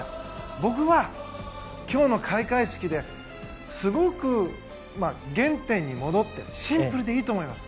僕は、今日の開会式ですごく原点に戻ってシンプルでいいと思います。